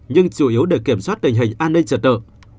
nhưng chủ yếu để kiểm soát tình hình an ninh trật tự